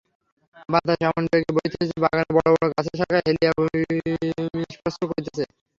বাতাস এমন বেগে বহিতেছে যে, বাগানের বড় বড় গাছের শাখা হেলিয়া ভূমিস্পর্শ করিতেছে।